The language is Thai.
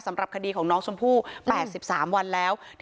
สำหรับคดีของน้องชมพู่๘๓วันแล้ว